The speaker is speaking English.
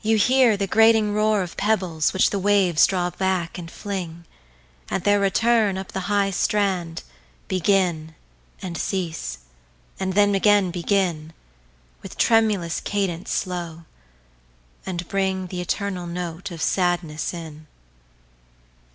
you hear the grating roarOf pebbles which the waves draw back, and fling, At their return, up the high strand, Begin, and cease, and then again begin, With tremulous cadence slow, and bringThe eternal note of sadness in.